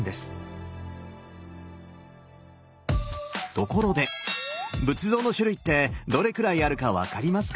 ところで仏像の種類ってどれくらいあるか分かりますか？